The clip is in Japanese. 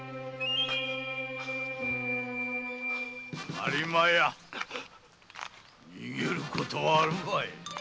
播磨屋逃げることはあるまい。